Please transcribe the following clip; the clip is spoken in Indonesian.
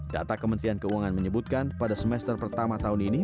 data kementerian keuangan menyebutkan pada semester pertama tahun ini